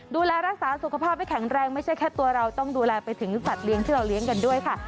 ดูแลรักษาสุขภาพให้แข็งแรงไม่ใช่แค่ตัวเราต้องดูแลไปถึงสัตว์เลี้ยงที่เราเลี้ยงกันด้วยค่ะ